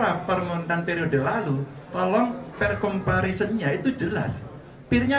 data kemiskinan kalau bicara permontan periode lalu tolong perkomparisen yaitu jelas birnya